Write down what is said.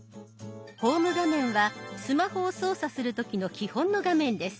ホーム画面はスマホを操作する時の基本の画面です。